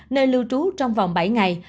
nơi lưu trú trong vòng bảy ngày